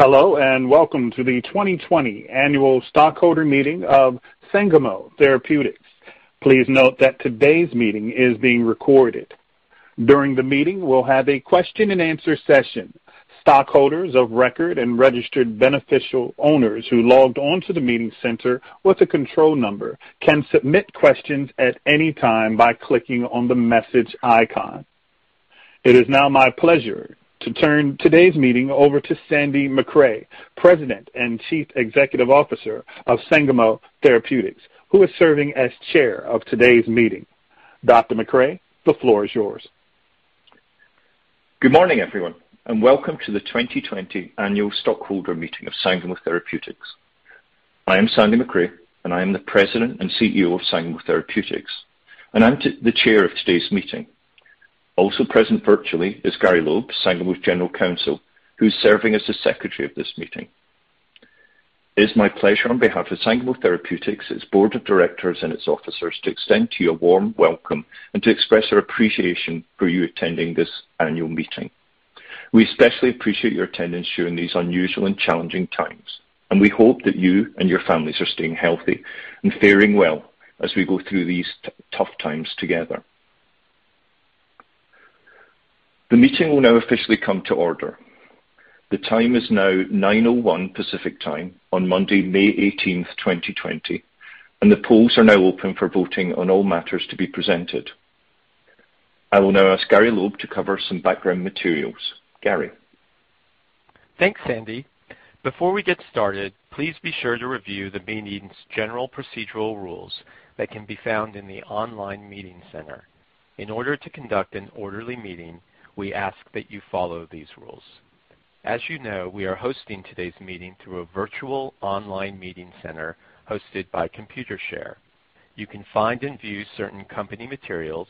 Hello, and welcome to the 2020 Annual Stockholder Meeting of Sangamo Therapeutics. Please note that today's meeting is being recorded. During the meeting, we'll have a question-and-answer session. Stockholders of record and registered beneficial owners who logged onto the meeting center with a control number can submit questions at any time by clicking on the message icon. It is now my pleasure to turn today's meeting over to Sandy Macrae, President and Chief Executive Officer of Sangamo Therapeutics, who is serving as Chair of today's meeting. Dr. Macrae, the floor is yours. Good morning, everyone, and welcome to the 2020 Annual Stockholder Meeting of Sangamo Therapeutics. I am Sandy Macrae, and I am the President and CEO of Sangamo Therapeutics, and I'm the Chair of today's meeting. Also present virtually is Gary Loeb, Sangamo's General Counsel, who's serving as the Secretary of this meeting. It is my pleasure on behalf of Sangamo Therapeutics, its Board of Directors, and its officers to extend to you a warm welcome and to express our appreciation for you attending this annual meeting. We especially appreciate your attendance during these unusual and challenging times, and we hope that you and your families are staying healthy and faring well as we go through these tough times together. The meeting will now officially come to order. The time is now 9:01 A.M. Pacific Time on Monday, May 18, 2020, and the polls are now open for voting on all matters to be presented. I will now ask Gary Loeb to cover some background materials. Gary. Thanks, Sandy. Before we get started, please be sure to review the meeting's general procedural rules that can be found in the online meeting center. In order to conduct an orderly meeting, we ask that you follow these rules. As you know, we are hosting today's meeting through a virtual online meeting center hosted by Computershare. You can find and view certain company materials,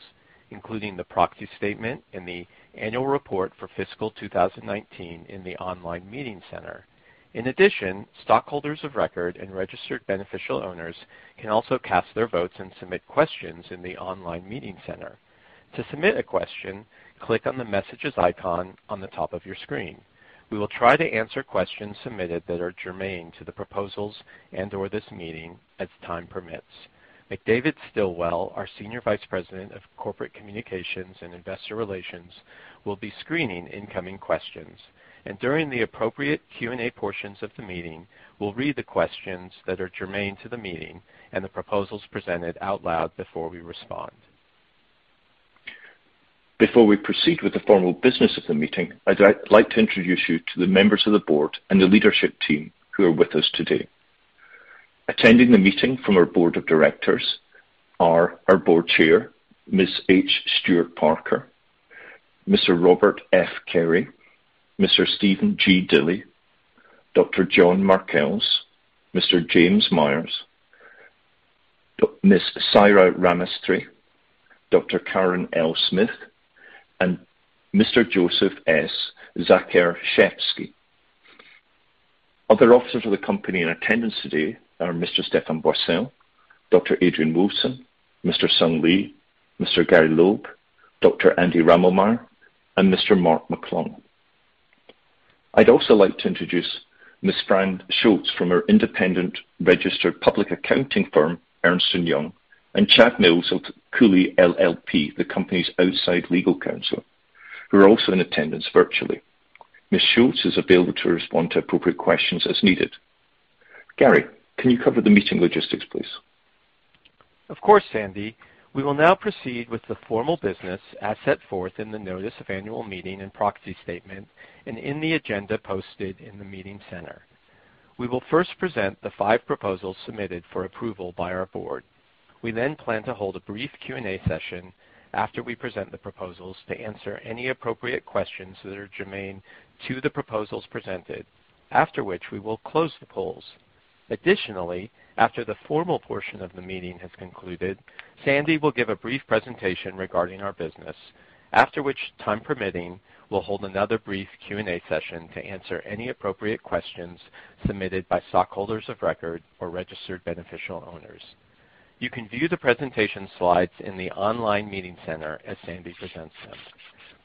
including the proxy statement and the annual report for fiscal 2019 in the online meeting center. In addition, stockholders of record and registered beneficial owners can also cast their votes and submit questions in the online meeting center. To submit a question, click on the messages icon on the top of your screen. We will try to answer questions submitted that are germane to the proposals and/or this meeting as time permits. McDavid Stilwell, our Senior Vice President of Corporate Communications and Investor Relations, will be screening incoming questions, and during the appropriate Q&A portions of the meeting, we'll read the questions that are germane to the meeting and the proposals presented out loud before we respond. Before we proceed with the formal business of the meeting, I'd like to introduce you to the members of the board and the leadership team who are with us today. Attending the meeting from our Board of Directors are our Board Chair, Ms. H. Stewart-Parker, Mr. Robert F. Carey, Mr. Steven G. Dilley, Dr. John H. Markels, Mr. James R. Myers, Ms. Saira Ramestri, Dr. Karen L. Smith, and Mr. Joseph Zakir Shefsky. Other officers of the company in attendance today are Mr. Stéphane Boissel, Dr. Adrian Wilson, Mr. Sung Lee, Mr. Gary Loeb, Dr. Andy Ramelmar, and Mr. Mark McClung. I'd also like to introduce Ms. Fran Schultz from our independent registered public accounting firm, Ernst & Young LLP, and Chad Mills of Cooley LLP, the company's outside legal counsel, who are also in attendance virtually. Ms. Schultz is available to respond to appropriate questions as needed. Gary, can you cover the meeting logistics, please? Of course, Sandy. We will now proceed with the formal business as set forth in the notice of annual meeting and proxy statement and in the agenda posted in the meeting center. We will first present the five proposals submitted for approval by our board. We then plan to hold a brief Q&A session after we present the proposals to answer any appropriate questions that are germane to the proposals presented, after which we will close the polls. Additionally, after the formal portion of the meeting has concluded, Sandy will give a brief presentation regarding our business, after which, time permitting, we'll hold another brief Q&A session to answer any appropriate questions submitted by stockholders of record or registered beneficial owners. You can view the presentation slides in the online meeting center as Sandy presents them.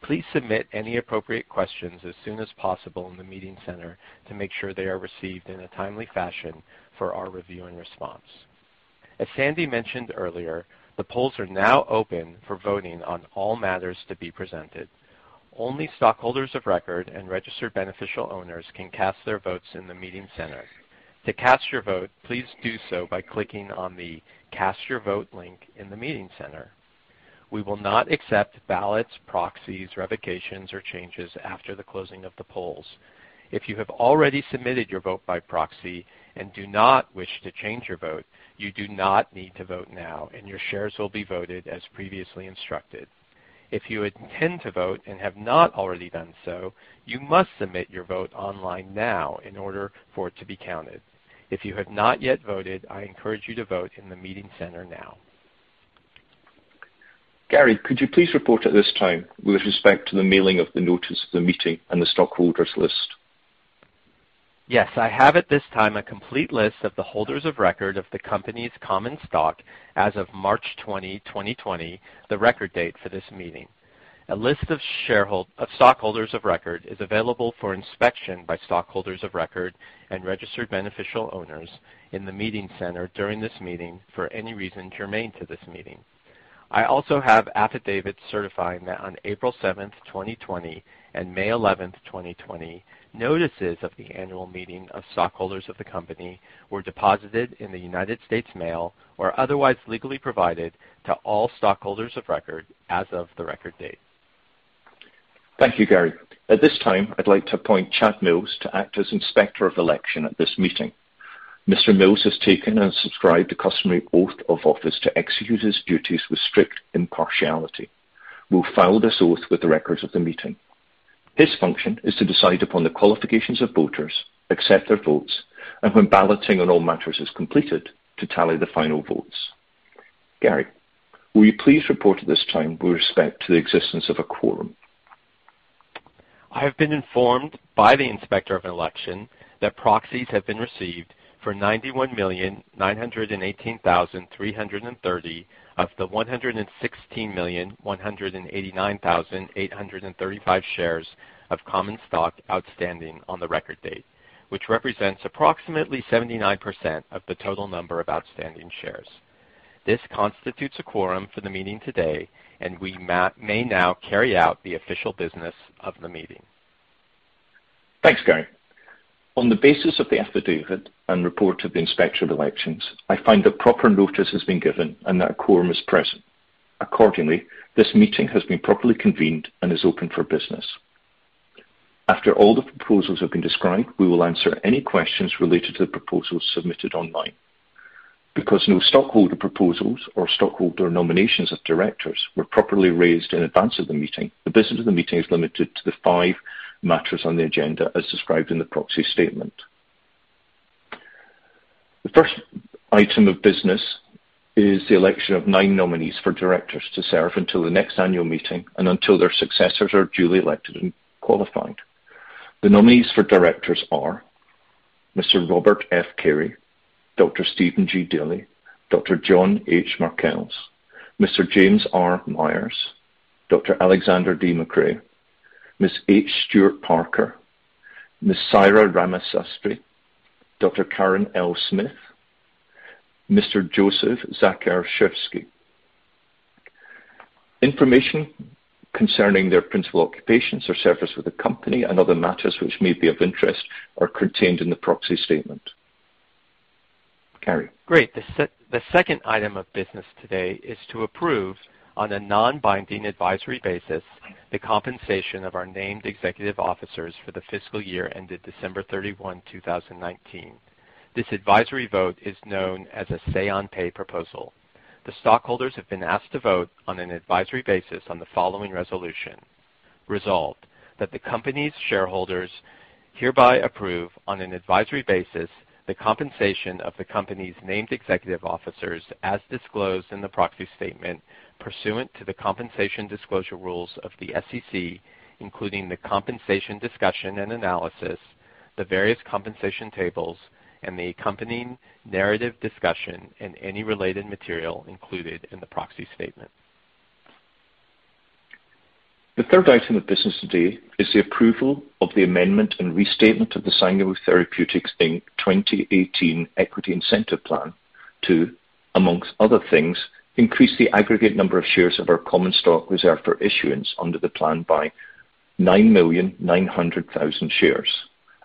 Please submit any appropriate questions as soon as possible in the meeting center to make sure they are received in a timely fashion for our review and response. As Sandy mentioned earlier, the polls are now open for voting on all matters to be presented. Only stockholders of record and registered beneficial owners can cast their votes in the meeting center. To cast your vote, please do so by clicking on the cast your vote link in the meeting center. We will not accept ballots, proxies, revocations, or changes after the closing of the polls. If you have already submitted your vote by proxy and do not wish to change your vote, you do not need to vote now, and your shares will be voted as previously instructed. If you intend to vote and have not already done so, you must submit your vote online now in order for it to be counted. If you have not yet voted, I encourage you to vote in the meeting center now. Gary, could you please report at this time with respect to the mailing of the notice of the meeting and the stockholders list? Yes, I have at this time a complete list of the holders of record of the company's common stock as of March 20, 2020, the record date for this meeting. A list of stockholders of record is available for inspection by stockholders of record and registered beneficial owners in the meeting center during this meeting for any reason germane to this meeting. I also have affidavits certifying that on April 7, 2020, and May 11, 2020, notices of the annual meeting of stockholders of the company were deposited in the United States mail or otherwise legally provided to all stockholders of record as of the record date. Thank you, Gary. At this time, I'd like to appoint Chad Mills to act as Inspector of Election at this meeting. Mr. Mills has taken and subscribed a customary oath of office to execute his duties with strict impartiality. We'll file this oath with the records of the meeting. His function is to decide upon the qualifications of voters, accept their votes, and when balloting on all matters is completed, to tally the final votes. Gary, will you please report at this time with respect to the existence of a quorum? I have been informed by the Inspector of Election that proxies have been received for 91,918,330 of the 116,189,835 shares of common stock outstanding on the record date, which represents approximately 79% of the total number of outstanding shares. This constitutes a quorum for the meeting today, and we may now carry out the official business of the meeting. Thanks, Gary. On the basis of the affidavit and report to the Inspector of Elections, I find that proper notice has been given and that a quorum is present. Accordingly, this meeting has been properly convened and is open for business. After all the proposals have been described, we will answer any questions related to the proposals submitted online. Because no stockholder proposals or stockholder nominations of directors were properly raised in advance of the meeting, the business of the meeting is limited to the five matters on the agenda as described in the proxy statement. The first item of business is the election of nine nominees for directors to serve until the next annual meeting and until their successors are duly elected and qualified. The nominees for directors are Mr. Robert F. Carey, Dr. Steven G. Dilley, Dr. John H. Markels, Mr. James R. Myers, Dr. Alexander D. Macrae, Ms. H. Stewart-Parker, Ms. Saira Ramestri, Dr. Karen L. Smith, Mr. Joseph Zakir Shefsky. Information concerning their principal occupations or service with the company and other matters which may be of interest are contained in the proxy statement. Gary. Great. The second item of business today is to approve on a non-binding advisory basis the compensation of our named executive officers for the fiscal year ended December 31, 2019. This advisory vote is known as a say-on-pay proposal. The stockholders have been asked to vote on an advisory basis on the following resolution. Resolved that the company's shareholders hereby approve on an advisory basis the compensation of the company's named executive officers as disclosed in the proxy statement pursuant to the compensation disclosure rules of the SEC, including the compensation discussion and analysis, the various compensation tables, and the accompanying narrative discussion and any related material included in the proxy statement. The third item of business today is the approval of the amendment and restatement of the Sangamo Therapeutics 2018 Equity Incentive Plan to, amongst other things, increase the aggregate number of shares of our common stock reserved for issuance under the plan by 9,900,000 shares.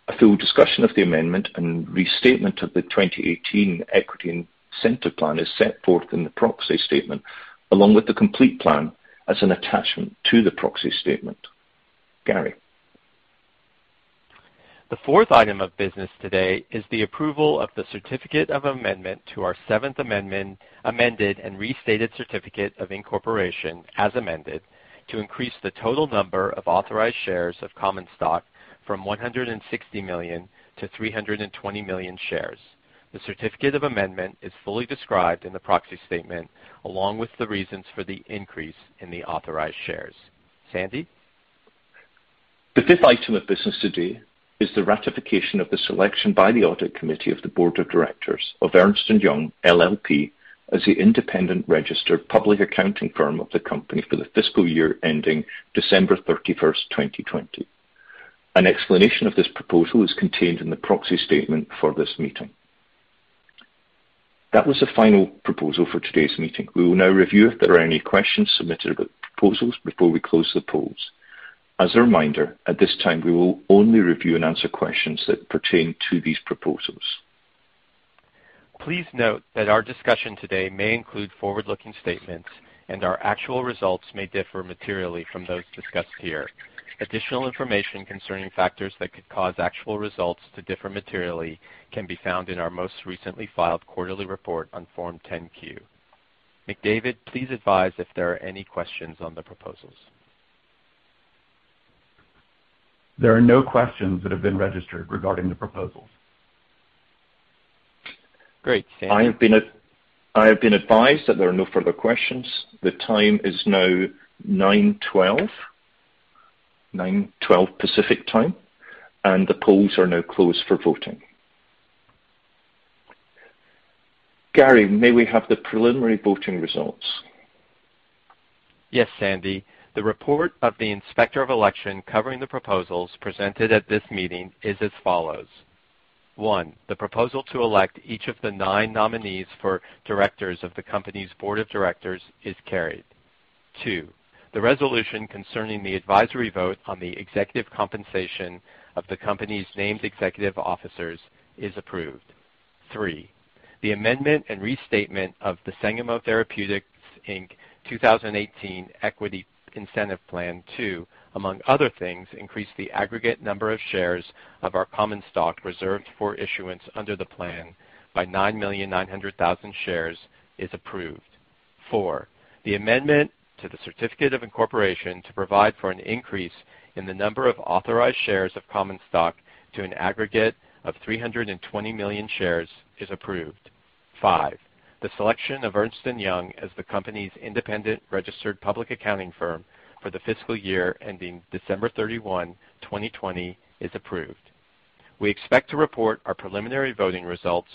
A full discussion of the amendment and restatement of the 2018 Equity Incentive Plan is set forth in the proxy statement along with the complete plan as an attachment to the proxy statement. Gary. The fourth item of business today is the approval of the certificate of amendment to our seventh amended and restated certificate of incorporation as amended to increase the total number of authorized shares of common stock from 160 million to 320 million shares. The certificate of amendment is fully described in the proxy statement along with the reasons for the increase in the authorized shares. Sandy? The fifth item of business today is the ratification of the selection by the Audit Committee of the Board of Directors of Ernst & Young LLP as the independent registered public accounting firm of the company for the fiscal year ending December 31, 2020. An explanation of this proposal is contained in the proxy statement for this meeting. That was the final proposal for today's meeting. We will now review if there are any questions submitted about proposals before we close the polls. As a reminder, at this time, we will only review and answer questions that pertain to these proposals. Please note that our discussion today may include forward-looking statements, and our actual results may differ materially from those discussed here. Additional information concerning factors that could cause actual results to differ materially can be found in our most recently filed quarterly report on Form 10-Q. McDavid, please advise if there are any questions on the proposals. There are no questions that have been registered regarding the proposals. Great. Sandy. I have been advised that there are no further questions. The time is now 9:12 A.M. Pacific Time, and the polls are now closed for voting. Gary, may we have the preliminary voting results? Yes, Sandy. The report of the Inspector of Election covering the proposals presented at this meeting is as follows: One, the proposal to elect each of the nine nominees for directors of the company's board of directors is carried. Two, the resolution concerning the advisory vote on the executive compensation of the company's named executive officers is approved. Three, the amendment and restatement of the Sangamo Therapeutics 2018 Equity Incentive Plan to, among other things, increase the aggregate number of shares of our common stock reserved for issuance under the plan by 9,900,000 shares is approved. Four, the amendment to the certificate of incorporation to provide for an increase in the number of authorized shares of common stock to an aggregate of 320 million shares is approved. Five, the selection of Ernst & Young as the company's independent registered public accounting firm for the fiscal year ending December 31, 2020, is approved. We expect to report our preliminary voting results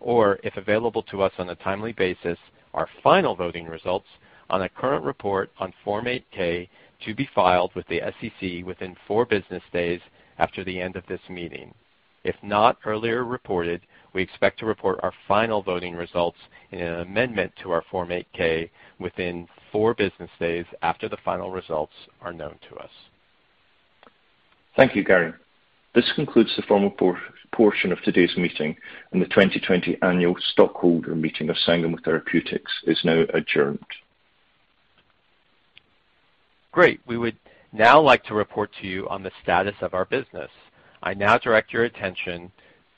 or, if available to us on a timely basis, our final voting results on a current report on Form 8K to be filed with the SEC within four business days after the end of this meeting. If not earlier reported, we expect to report our final voting results in an amendment to our Form 8K within four business days after the final results are known to us. Thank you, Gary. This concludes the formal portion of today's meeting, and the 2020 annual stockholder meeting of Sangamo Therapeutics is now adjourned. Great. We would now like to report to you on the status of our business. I now direct your attention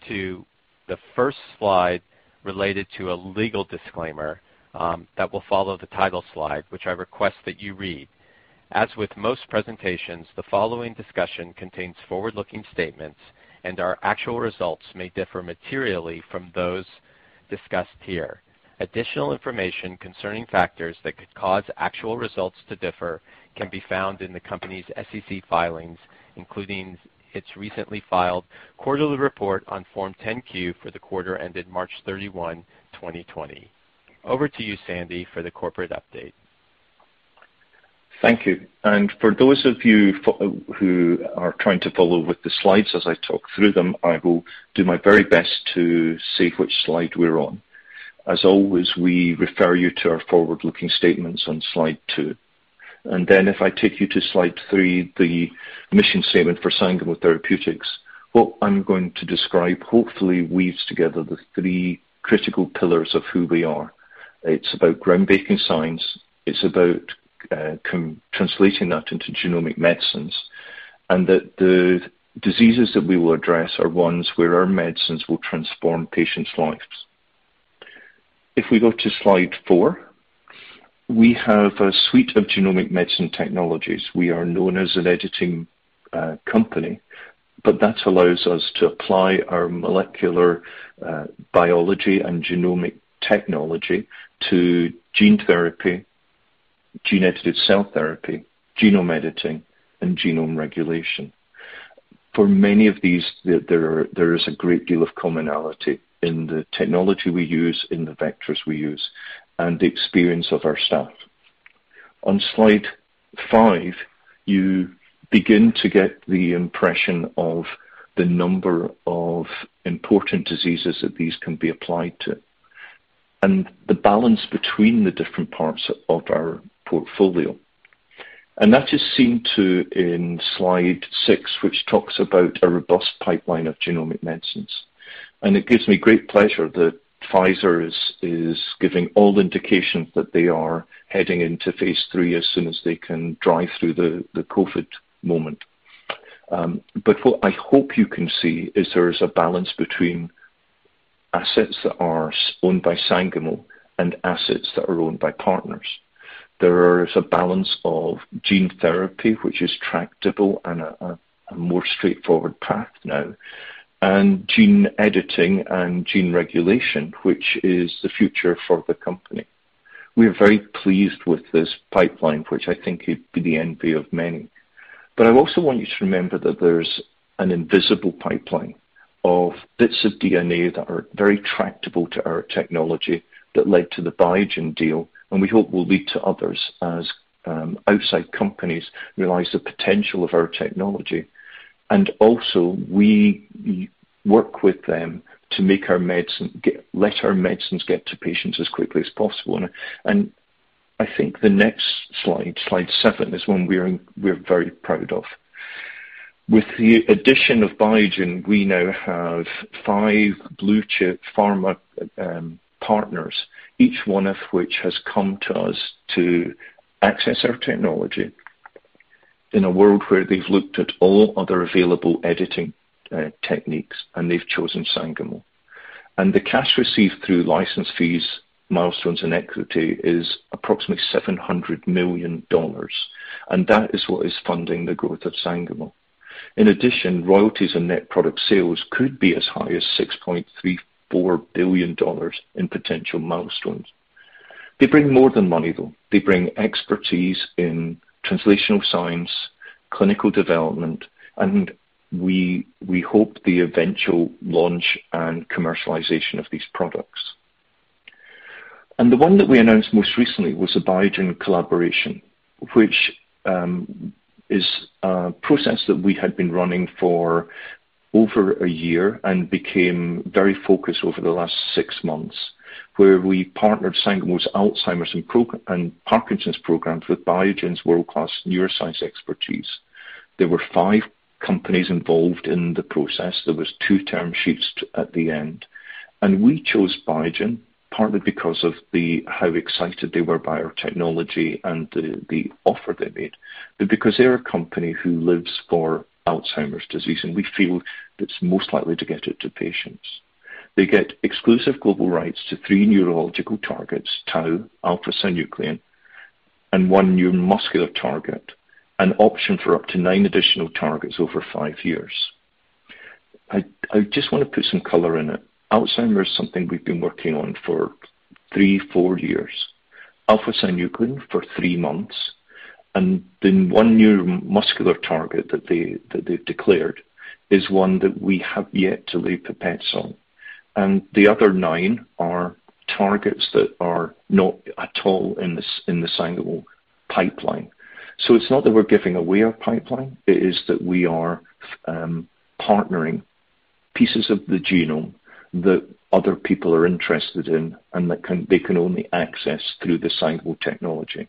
to the first slide related to a legal disclaimer that will follow the title slide, which I request that you read. As with most presentations, the following discussion contains forward-looking statements, and our actual results may differ materially from those discussed here. Additional information concerning factors that could cause actual results to differ can be found in the company's SEC filings, including its recently filed quarterly report on Form 10-Q for the quarter ended March 31, 2020. Over to you, Sandy, for the corporate update. Thank you. For those of you who are trying to follow with the slides as I talk through them, I will do my very best to see which slide we're on. As always, we refer you to our forward-looking statements on slide two. If I take you to slide three, the mission statement for Sangamo Therapeutics, what I'm going to describe hopefully weaves together the three critical pillars of who we are. It's about groundbreaking science. It's about translating that into genomic medicines, and that the diseases that we will address are ones where our medicines will transform patients' lives. If we go to slide four, we have a suite of genomic medicine technologies. We are known as an editing company, but that allows us to apply our molecular biology and genomic technology to gene therapy, gene-edited cell therapy, genome editing, and genome regulation. For many of these, there is a great deal of commonality in the technology we use, in the vectors we use, and the experience of our staff. On slide five, you begin to get the impression of the number of important diseases that these can be applied to and the balance between the different parts of our portfolio. That is seen in slide six, which talks about a robust pipeline of genomic medicines. It gives me great pleasure that Pfizer is giving all indications that they are heading into phase three as soon as they can drive through the COVID moment. What I hope you can see is there is a balance between assets that are owned by Sangamo and assets that are owned by partners. There is a balance of gene therapy, which is tractable and a more straightforward path now, and gene editing and gene regulation, which is the future for the company. We are very pleased with this pipeline, which I think could be the envy of many. I also want you to remember that there's an invisible pipeline of bits of DNA that are very tractable to our technology that led to the Biogen deal, and we hope will lead to others as outside companies realize the potential of our technology. We work with them to let our medicines get to patients as quickly as possible. I think the next slide, slide seven, is one we're very proud of. With the addition of Biogen, we now have five blue-chip pharma partners, each one of which has come to us to access our technology in a world where they have looked at all other available editing techniques, and they have chosen Sangamo. The cash received through license fees, milestones, and equity is approximately $700 million, and that is what is funding the growth of Sangamo. In addition, royalties and net product sales could be as high as $6.34 billion in potential milestones. They bring more than money, though. They bring expertise in translational science, clinical development, and we hope the eventual launch and commercialization of these products. The one that we announced most recently was a Biogen collaboration, which is a process that we had been running for over a year and became very focused over the last six months, where we partnered Sangamo's Alzheimer's and Parkinson's programs with Biogen's world-class neuroscience expertise. There were five companies involved in the process. There were two term sheets at the end. We chose Biogen partly because of how excited they were by our technology and the offer they made, but because they're a company who lives for Alzheimer's disease, and we feel that's most likely to get it to patients. They get exclusive global rights to three neurological targets: Tau, Alpha-Synuclein, and one neuromuscular target, an option for up to nine additional targets over five years. I just want to put some color in it. Alzheimer's is something we've been working on for three, four years. Alpha-Synuclein for three months, and then one neuromuscular target that they've declared is one that we have yet to lay pipettes on. The other nine are targets that are not at all in the Sangamo pipeline. It is not that we're giving away our pipeline. It is that we are partnering pieces of the genome that other people are interested in and that they can only access through the Sangamo technology.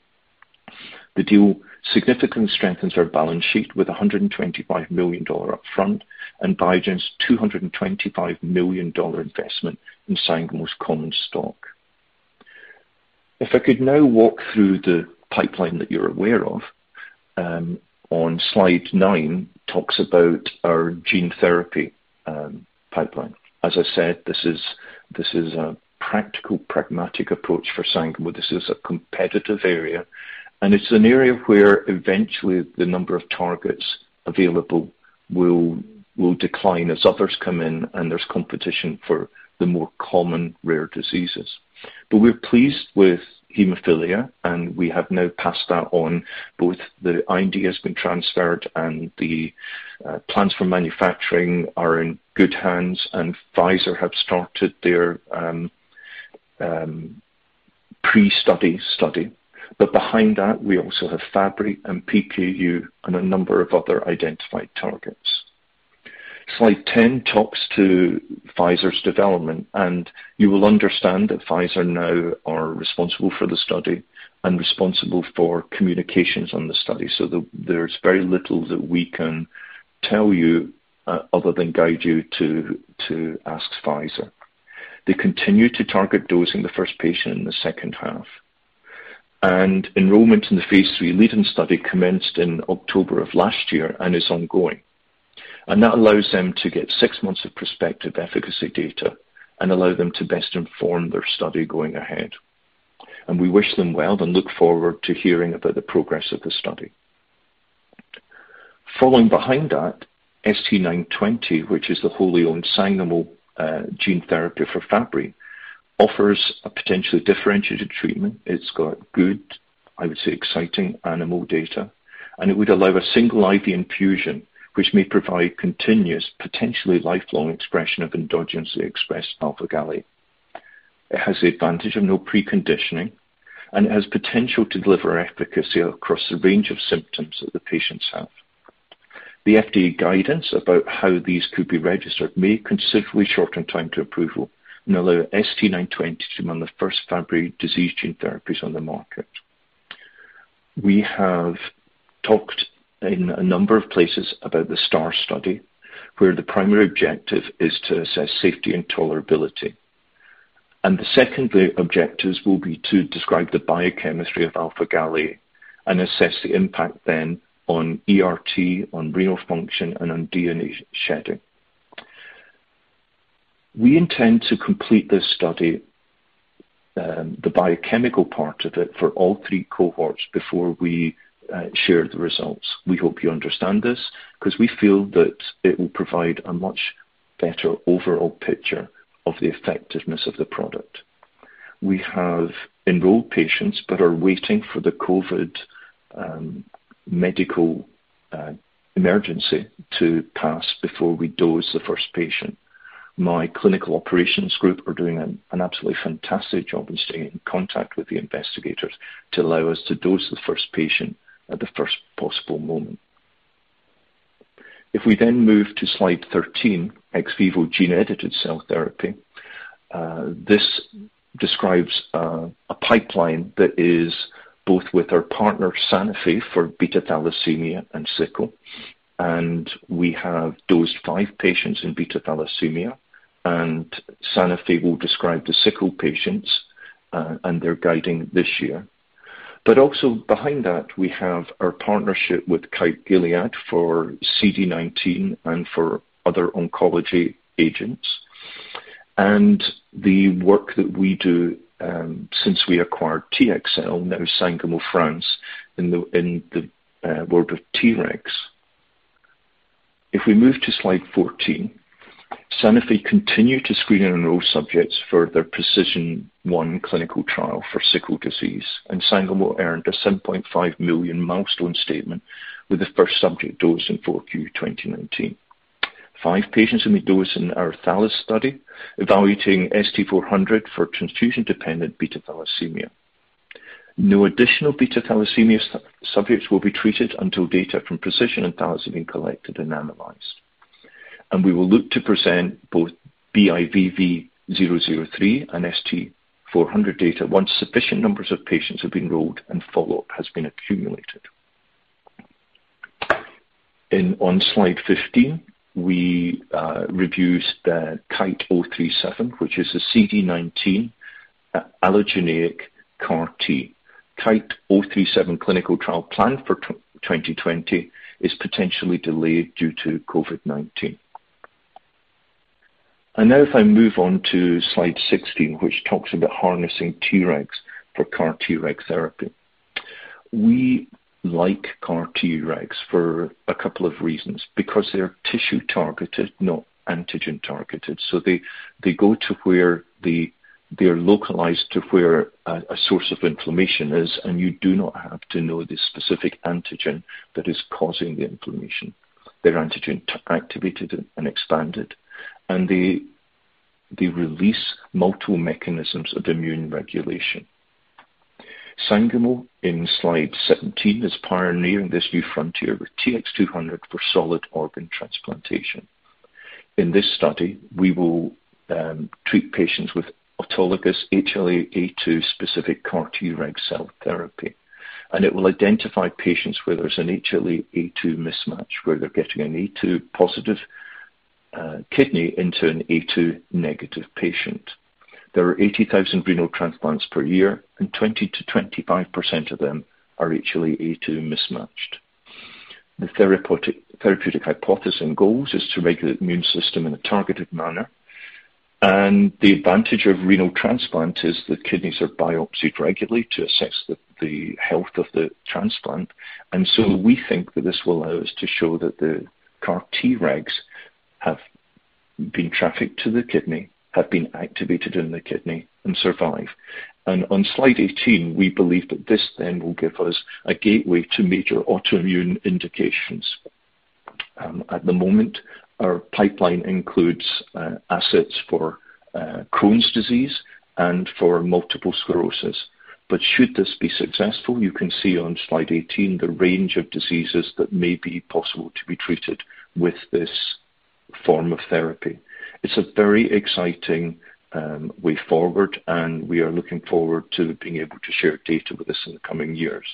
The deal significantly strengthens our balance sheet with $125 million upfront and Biogen's $225 million investment in Sangamo's common stock. If I could now walk through the pipeline that you're aware of, on slide nine talks about our gene therapy pipeline. As I said, this is a practical, pragmatic approach for Sangamo. This is a competitive area, and it's an area where eventually the number of targets available will decline as others come in, and there's competition for the more common rare diseases. We're pleased with hemophilia, and we have now passed that on. Both the IND has been transferred, and the plans for manufacturing are in good hands, and Pfizer has started their pre-study study. Behind that, we also have Fabry and PQU and a number of other identified targets. Slide 10 talks to Pfizer's development, and you will understand that Pfizer and I are responsible for the study and responsible for communications on the study, so there's very little that we can tell you other than guide you to ask Pfizer. They continue to target dosing the first patient in the second half, and enrollment in the phase three leading study commenced in October of last year and is ongoing. That allows them to get six months of prospective efficacy data and allow them to best inform their study going ahead. We wish them well and look forward to hearing about the progress of the study. Following behind that, ST-920, which is the wholly owned Sangamo gene therapy for Fabry, offers a potentially differentiated treatment. It's got good, I would say, exciting animal data, and it would allow a single IV infusion, which may provide continuous, potentially lifelong expression of endogenously expressed alpha-galactosidase A. It has the advantage of no preconditioning, and it has potential to deliver efficacy across the range of symptoms that the patients have. The FDA guidance about how these could be registered may considerably shorten time to approval and allow ST-920 to be among the first Fabry disease gene therapies on the market. We have talked in a number of places about the STAR study, where the primary objective is to assess safety and tolerability. The second objectives will be to describe the biochemistry of alpha-galactosidase A and assess the impact then on ERT, on renal function, and on DNA shedding. We intend to complete this study, the biochemical part of it, for all three cohorts before we share the results. We hope you understand this because we feel that it will provide a much better overall picture of the effectiveness of the product. We have enrolled patients but are waiting for the COVID medical emergency to pass before we dose the first patient. My clinical operations group are doing an absolutely fantastic job in staying in contact with the investigators to allow us to dose the first patient at the first possible moment. If we then move to slide 13, ex vivo gene-edited cell therapy, this describes a pipeline that is both with our partner, Sanofi, for beta-thalassemia and sickle, and we have dosed five patients in beta-thalassemia, and Sanofi will describe the sickle patients, and they're guiding this year. Also behind that, we have our partnership with Kite Gilead for CD19 and for other oncology agents. The work that we do since we acquired TXL, now Sangamo France, in the world of TRX. If we move to slide 14, Sanofi continued to screen enrolled subjects for their PRECIZN-1 clinical trial for sickle cell disease, and Sangamo earned a $7.5 million milestone statement with the first subject dosed in Q4 2019. Five patients will be dosed in our THALES study, evaluating ST-400 for transfusion-dependent beta-thalassemia. No additional beta-thalassemia subjects will be treated until data from PRECIZN-1 and THALES have been collected and analyzed. We will look to present both BIVV003 and ST-400 data once sufficient numbers of patients have been enrolled and follow-up has been accumulated. On slide 15, we reviewed the Kite 037, which is a CD19 allogeneic CAR-T. Kite 037 clinical trial planned for 2020 is potentially delayed due to COVID-19. If I move on to slide 16, which talks about harnessing TRX for CAR-Treg therapy. We like CAR-Tregs for a couple of reasons, because they're tissue-targeted, not antigen-targeted. They go to where they're localized to where a source of inflammation is, and you do not have to know the specific antigen that is causing the inflammation. Their antigens are activated and expanded, and they release multiple mechanisms of immune regulation. Sangamo, in slide 17, is pioneering this new frontier with TX-200 for solid organ transplantation. In this study, we will treat patients with autologous HLA-A*02 specific CAR-Treg cell therapy, and it will identify patients where there's an HLA-A*02 mismatch, where they're getting an A*02 positive kidney into an A*02 negative patient. There are 80,000 renal transplants per year, and 20-25% of them are HLA-A*02 mismatched. The therapeutic hypothesis and goals is to regulate the immune system in a targeted manner, and the advantage of renal transplant is that kidneys are biopsied regularly to assess the health of the transplant. We think that this will allow us to show that the CAR-T regs have been trafficked to the kidney, have been activated in the kidney, and survive. On slide 18, we believe that this then will give us a gateway to major autoimmune indications. At the moment, our pipeline includes assets for Crohn's disease and for multiple sclerosis. Should this be successful, you can see on slide 18 the range of diseases that may be possible to be treated with this form of therapy. It's a very exciting way forward, and we are looking forward to being able to share data with us in the coming years.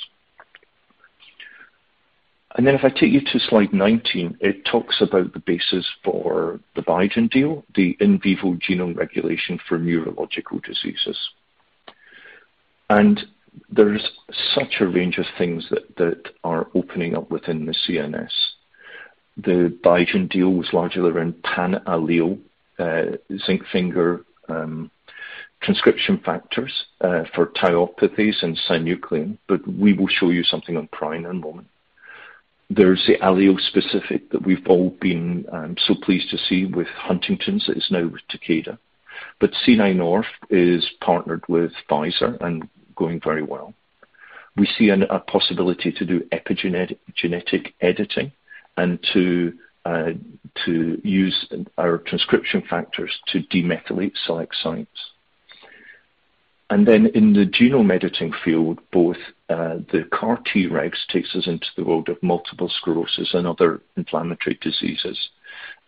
If I take you to slide 19, it talks about the basis for the Biogen deal, the in vivo genome regulation for neurological diseases. There is such a range of things that are opening up within the CNS. The Biogen deal was largely around pan-allelic, zinc-finger transcription factors for Tau-opposes and Synuclein, but we will show you something on prion in a moment. There is the allele-specific that we have all been so pleased to see with Huntington's that is now with Takeda. C9orf72 is partnered with Pfizer and going very well. We see a possibility to do epigenetic editing and to use our transcription factors to demethylate select sites. In the genome editing field, both the CAR-Tregs take us into the world of multiple sclerosis and other inflammatory diseases.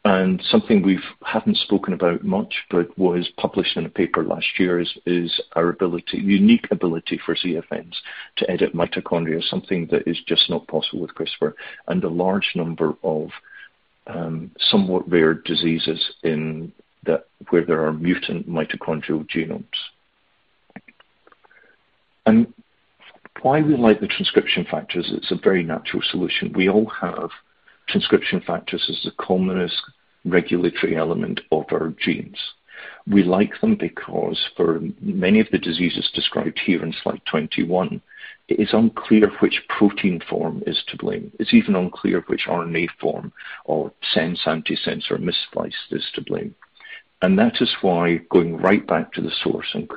Something we have not spoken about much but was published in a paper last year is our unique ability for CFMs to edit mitochondria, something that is just not possible with CRISPR, and a large number of somewhat rare diseases where there are mutant mitochondrial genomes. Why we like the transcription factors is a very natural solution. We all have transcription factors as the commonest regulatory element of our genes. We like them because for many of the diseases described here in slide 21, it is unclear which protein form is to blame. It is even unclear which RNA form or sense, antisense, or misspliced is to blame. That is why going right back to the source and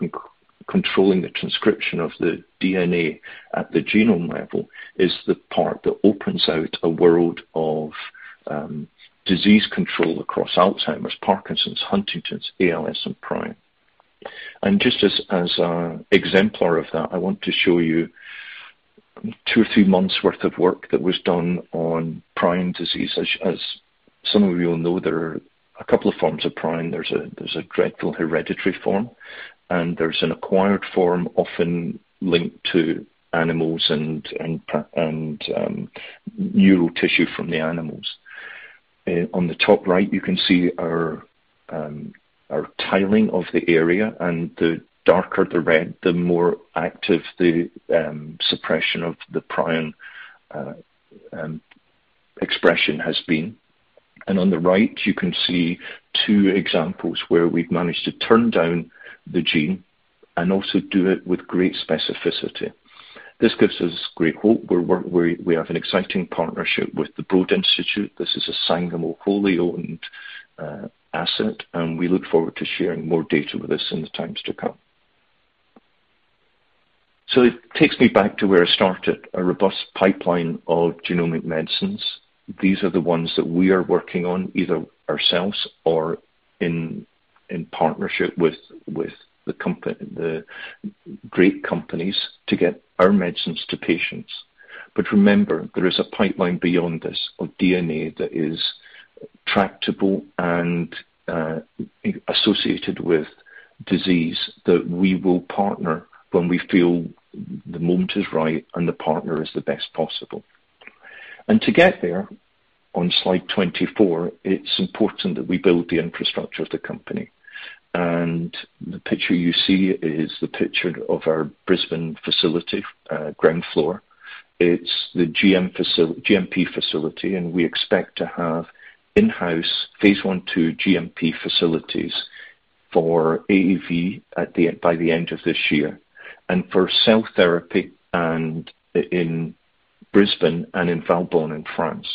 controlling the transcription of the DNA at the genome level is the part that opens out a world of disease control across Alzheimer's, Parkinson's, Huntington's, ALS, and prion. Just as an exemplar of that, I want to show you two or three months' worth of work that was done on prion disease. As some of you will know, there are a couple of forms of prion. There's a dreadful hereditary form, and there's an acquired form often linked to animals and neural tissue from the animals. On the top right, you can see our tiling of the area, and the darker the red, the more active the suppression of the prion expression has been. On the right, you can see two examples where we've managed to turn down the gene and also do it with great specificity. This gives us great hope. We have an exciting partnership with the Broad Institute. This is a Sangamo fully owned asset, and we look forward to sharing more data with us in the times to come. It takes me back to where I started, a robust pipeline of genomic medicines. These are the ones that we are working on either ourselves or in partnership with the great companies to get our medicines to patients. Remember, there is a pipeline beyond this of DNA that is tractable and associated with disease that we will partner when we feel the moment is right and the partner is the best possible. To get there, on slide 24, it's important that we build the infrastructure of the company. The picture you see is the picture of our Brisbane facility, ground floor. It's the GMP facility, and we expect to have in-house phase one to GMP facilities for AAV by the end of this year and for cell therapy in Brisbane and in Valbonne in France.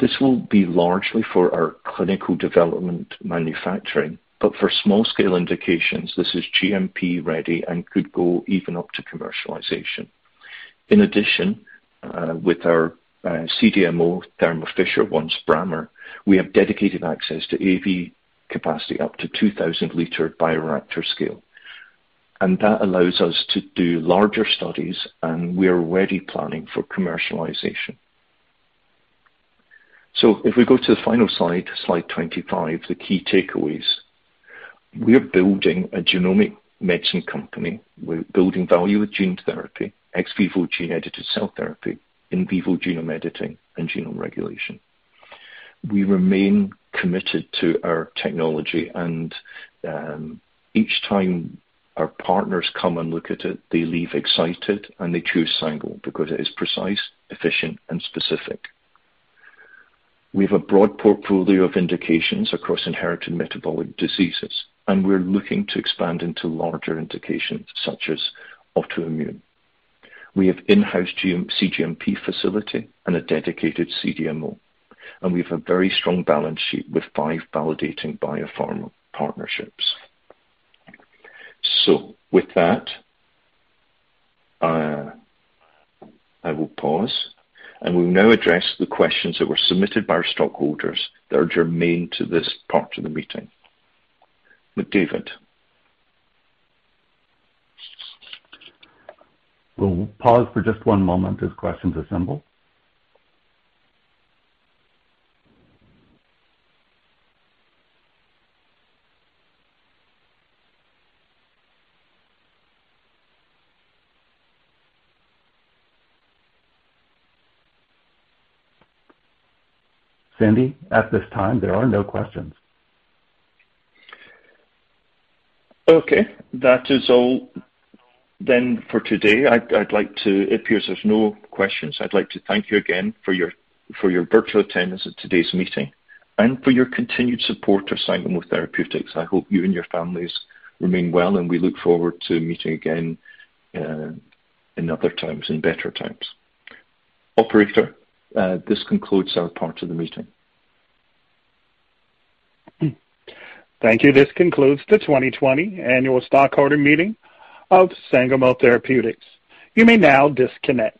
This will be largely for our clinical development manufacturing, but for small-scale indications, this is GMP-ready and could go even up to commercialization. In addition, with our CDMO, Thermo Fisher, once Brammer, we have dedicated access to AAV capacity up to 2,000 liter bioreactor scale. That allows us to do larger studies, and we are already planning for commercialization. If we go to the final slide, slide 25, the key takeaways. We are building a genomic medicine company. We're building value with gene therapy, ex vivo gene-edited cell therapy, in vivo genome editing, and genome regulation. We remain committed to our technology, and each time our partners come and look at it, they leave excited, and they choose Sangamo because it is precise, efficient, and specific. We have a broad portfolio of indications across inherited metabolic diseases, and we're looking to expand into larger indications such as autoimmune. We have in-house CGMP facility and a dedicated CDMO, and we have a very strong balance sheet with five validating biopharma partnerships. With that, I will pause, and we'll now address the questions that were submitted by our stockholders that are germane to this part of the meeting. McDavid. We'll pause for just one moment as questions assemble. Sandy, at this time, there are no questions. Okay. That is all then for today. It appears there are no questions. I'd like to thank you again for your virtual attendance at today's meeting and for your continued support of Sangamo Therapeutics. I hope you and your families remain well, and we look forward to meeting again in other times, in better times. Operator, this concludes our part of the meeting. Thank you. This concludes the 2020 annual stockholder meeting of Sangamo Therapeutics. You may now disconnect.